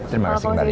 terima kasih kembali